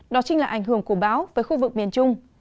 đó chính là ảnh hưởng của báo với khu vực miền trung